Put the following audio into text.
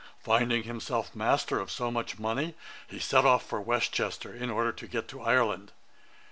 Finding himself master of so much money, he set off for West Chester, in order to get to Ireland.